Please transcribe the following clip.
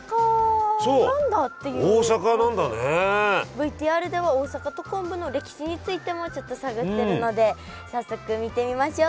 ＶＴＲでは大阪と昆布の歴史についてもちょっと探ってるので早速見てみましょう。